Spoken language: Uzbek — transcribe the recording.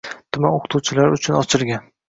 Tuman o‘qituvchilari uchun ochilgan.